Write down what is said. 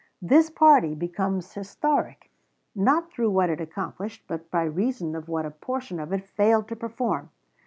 This party becomes historic, not through what it accomplished, but by reason of what a portion of it failed to perform.